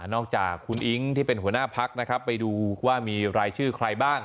อกจากคุณอิ๊งที่เป็นหัวหน้าพักนะครับไปดูว่ามีรายชื่อใครบ้าง